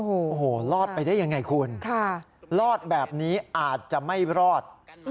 โอ้โหรอดไปได้ยังไงคุณรอดแบบนี้อาจจะไม่รอด